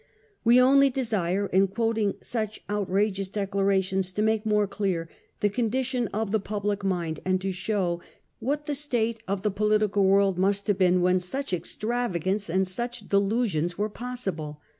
We only desire in quoting such outrageous declarations to make more clear the condition of the public mind, and to show what the state of the political world must have been when such extravagance and such delusions were possible.